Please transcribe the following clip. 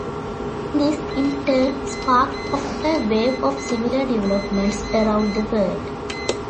This, in turn, sparked off a wave of similar developments around the world.